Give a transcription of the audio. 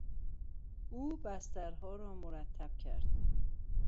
او بسترها را مرتب کرد.